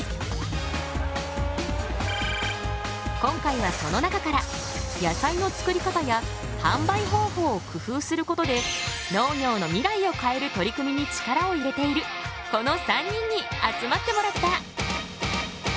今回はその中から野菜の作り方や販売方法を工夫することで農業の未来を変える取り組みに力を入れているこの３人に集まってもらった。